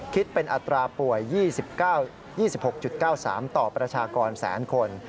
คิดเป็นอัตราป่วย๒๖๙๓ต่อประชากรแสนคน